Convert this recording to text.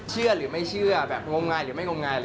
เชื่อหรือไม่เชื่อแบบงมงายหรือไม่งมงาย